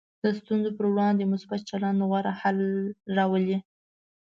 د ستونزو پر وړاندې مثبت چلند غوره حل راولي.